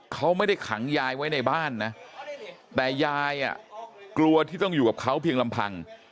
เขาไม่ได้ขังยายไว้ในบ้านนะแต่ยายกลัวที่ต้องอยู่กับเขาเพียงลำพัง